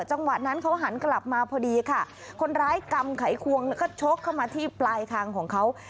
จังหวะนั้นเขาหันกลับมาพอดีค่ะคนร้ายกำไขควงแล้วก็ชกเข้ามาที่ปลายคางของเขา